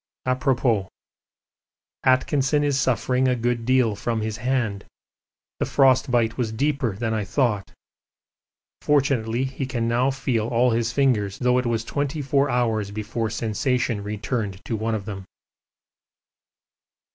Apropos. Atkinson is suffering a good deal from his hand: the frostbite was deeper than I thought; fortunately he can now feel all his fingers, though it was twenty four hours before sensation returned to one of them.